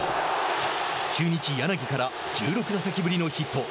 中日、柳から１６打席ぶりのヒット。